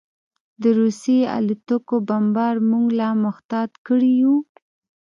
د روسي الوتکو بمبار موږ لا محتاط کړي وو